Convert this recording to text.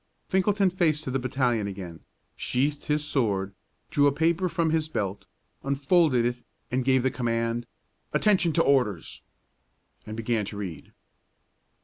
Finkelton faced to the battalion again, sheathed his sword, drew a paper from his belt, unfolded it, gave the command: "Attention to orders!" and began to read.